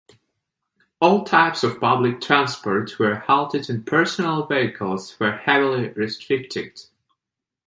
All types of public transport were halted and personal vehicles were heavily restricted.